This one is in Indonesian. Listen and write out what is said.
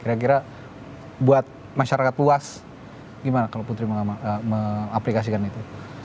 kira kira buat masyarakat luas gimana kalau putri mengaplikasikan itu